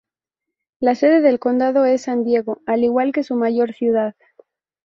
La sede del condado es San Diego, al igual que su mayor ciudad.